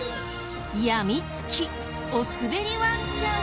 やみつきおすべりワンちゃん。